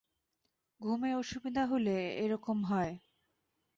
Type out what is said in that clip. ঘুমের অসুবিধা হলে এ-রকম হয়।